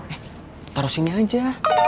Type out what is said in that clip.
eh taruh sini aja